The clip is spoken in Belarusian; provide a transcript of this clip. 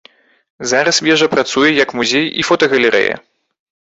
Зараз вежа працуе як музей і фотагалерэя.